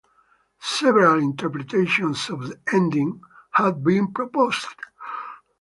Several interpretations of the ending have been proposed.